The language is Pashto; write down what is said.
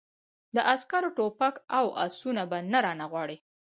د عسکرو ټوپک او آسونه به نه رانه غواړې!